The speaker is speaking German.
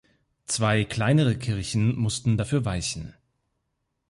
Zwei kleinere Kirchen mussten dafür weichen.